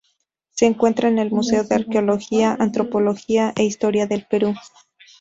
Se encuentra en el Museo de Arqueología, Antropología e Historia del Perú.